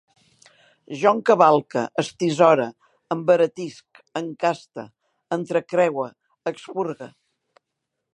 Jo encavalque, estisore, embaratisc, encaste, entrecreue, expurgue